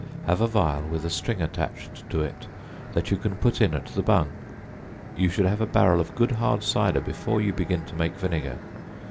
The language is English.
Have a phial with a string attached to it that you can put in at the bung. You should have a barrel of good hard cider before you begin to make vinegar.